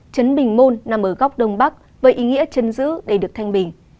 trấn bình môn nằm ở góc đông bắc với ý nghĩa trấn giữ để được thanh bình